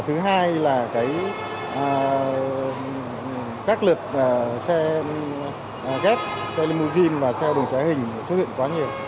thứ hai là các lượt xe ghép xe limousine và xe đồng trải hình xuất hiện quá nhiều